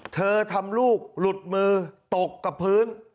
เธอทำลูกหลุดมือตกกับพื้น